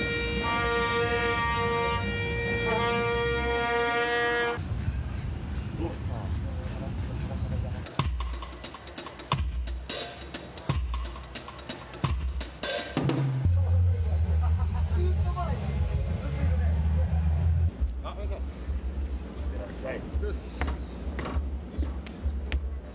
いってらっしゃい。